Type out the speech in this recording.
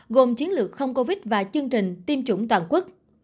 gồm chiến lược không covid và chương trình tiêm chủng toàn quốc